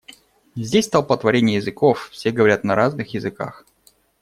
Здесь столпотворение языков, все говорят на разных языках.